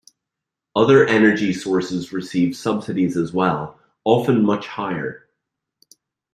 Other energy sources receive subsidies as well, often much higher.